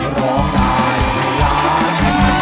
ร้องได้ให้ล้าน